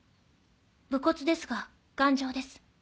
武骨ですが頑丈です。